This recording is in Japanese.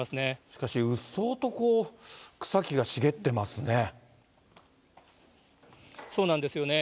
しかし、うっそうと草木が茂ってますね。